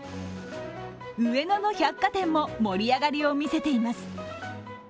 上野の百貨店も盛り上がりを見せています。